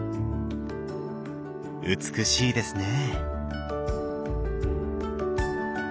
美しいですね。